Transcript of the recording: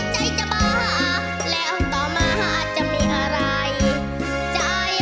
เจ๊ยังห่านครับ